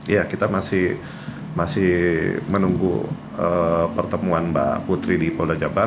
ya kita masih menunggu pertemuan mbak putri di polda jabar